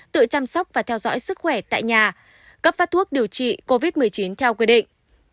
tự chăm sóc và theo dõi sức khỏe tại nhà cấp phát thuốc điều trị covid một mươi chín theo quy định